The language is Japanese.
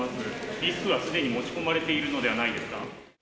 リスクはすでに持ち込まれているのではないですか？